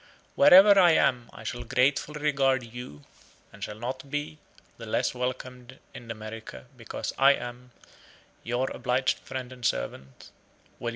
Wherever I am, I shall gratefully regard you; and shall not be the less welcomed in America because I am, Your obliged friend and servant, W.